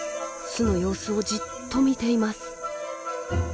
巣の様子をじっと見ています。